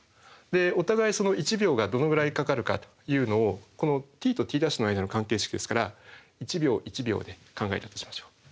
お互いその１秒がどのぐらいかかるかというのをこのｔとｔ′の間の関係式ですから１秒１秒で考えたとしましょう。